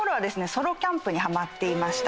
ソロキャンプにハマっていました。